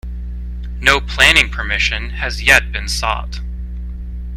No planning permission has yet been sought.